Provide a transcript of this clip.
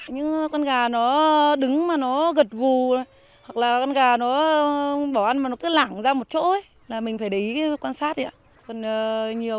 nhưng con gà nó đứng mà nó gật gù hoặc là con gà nó bỏ ăn mà nó cứ lẳng ra một chỗ ấy là mình phải để ý quan sát đấy ạ